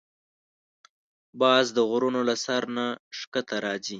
باز د غرونو له سر نه ښکته راځي